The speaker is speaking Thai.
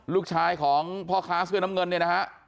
ลูกชายของพ่อค้าเสื้อน้ำเงินเนี่ยนะฮะ